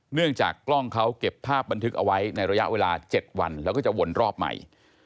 เนื่องจากกล้องเขาเก็บภาพบันทึกเอาไว้ในระยะเวลา๗วันแล้วก็จะวนรอบใหม่